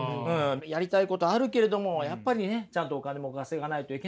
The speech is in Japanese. やりたいことあるけれどもやっぱりねちゃんとお金も稼がないといけないと。